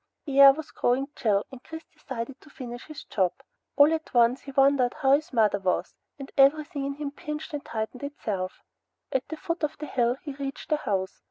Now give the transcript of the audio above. The air was growing chill and Chris decided to finish his job. All at once he wondered how his mother was, and everything in him pinched and tightened itself. At the foot of the hill he reached the house.